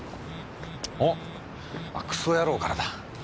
あっクソ野郎からだ。